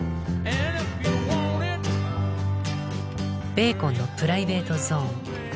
ベーコンのプライベートゾーン。